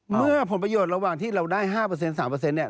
เมื่อผลประโยชน์ระหว่างที่เราได้๕เปอร์เซ็นต์๓เปอร์เซ็นต์เนี่ย